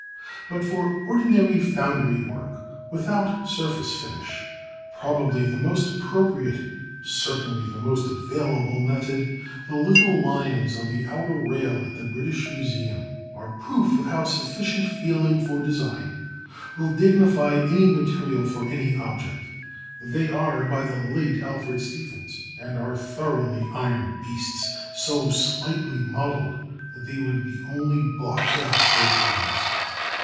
But for ordinary foundry work without surface finish probably the most appropriate, certainly the most available, method the little lions on the outer rail at the British Museum are proof of how sufficient feeling for design will dignify any material for any object; they are by the late Alfred Stevens, and are thoroughly iron beasts, so slightly modelled that they would be only blocked out for bronze.